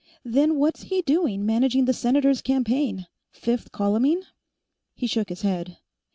"Then what's he doing managing the Senator's campaign? Fifth columning?" He shook his head.